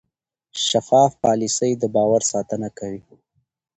شفاف پالیسي د باور ساتنه کوي.